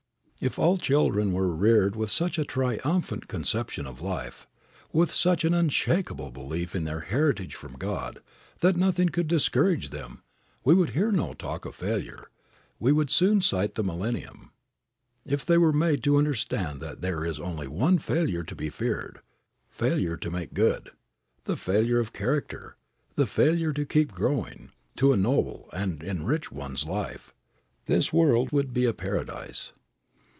If all children were reared with such a triumphant conception of life, with such an unshakable belief in their heritage from God, that nothing could discourage them, we would hear no talk of failure; we would soon sight the millenium. If they were made to understand that there is only one failure to be feared, failure to make good, the failure of character, the failure to keep growing, to ennoble and enrich one's life, this world would be a paradise.